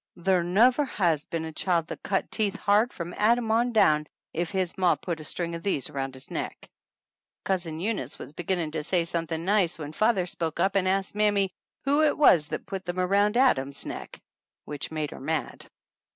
Ther nuwer has been a child that cut teeth hard from Adam on down if his ma put a string of these aroun' his neck " Cousin Eunice was beginning to say some thing nice when father spoke up and asked mammy who it was that put them around Adam's neck, which made her mad.